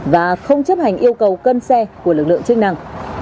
và không chấp hành yêu cầu cân xe của lực lượng chính trị